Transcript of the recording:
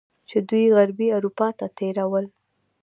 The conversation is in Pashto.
چې دوی غربي اروپا ته تیرول.